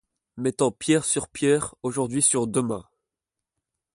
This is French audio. Mettant pierre sur pierre, aujourd’hui sur demain